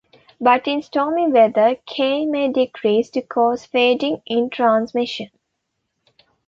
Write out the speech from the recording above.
But in stormy weather, "k" may decrease to cause fading in transmission.